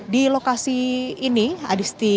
di lokasi ini adisti